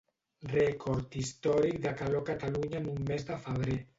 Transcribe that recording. Rècord històric de calor a Catalunya en un mes de febrer.